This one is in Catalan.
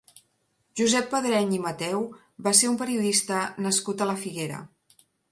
Josep Pedreny i Mateu va ser un periodista nascut a la Figuera.